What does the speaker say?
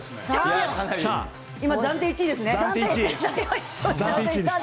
今、暫定１位ですね。